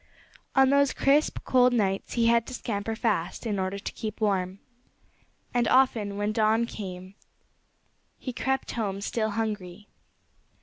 On those crisp, cold nights he had to scamper fast in order to keep warm. And often, when dawn came, he crept home still hungry.